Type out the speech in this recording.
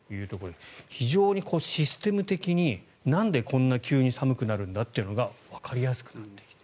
非常にシステム的になんで急にこんなに寒くなるんだというのがわかりやすくなっている。